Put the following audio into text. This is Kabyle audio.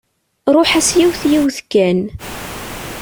Ruḥ-as yiwet yiwet kan.